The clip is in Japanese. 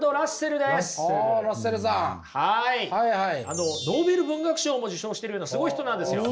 あのノーベル文学賞も受賞してるようなすごい人なんですよ。